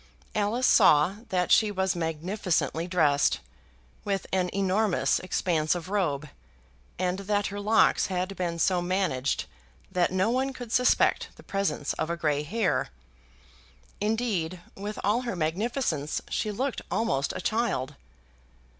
Alice saw that she was magnificently dressed, with an enormous expanse of robe, and that her locks had been so managed that no one could suspect the presence of a grey hair. Indeed, with all her magnificence, she looked almost a child.